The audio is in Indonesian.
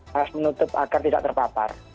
harus menutup agar tidak terpapar